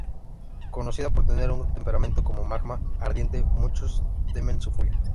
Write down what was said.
Conocida por tener un temperamento como magma ardiente muchos temen su furia.